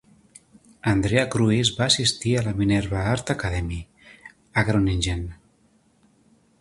Andrea Kruis va assistir a la Minerva Art Academy, a Groningen.